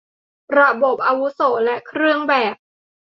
ระบบอาวุโส และเครื่องแบบ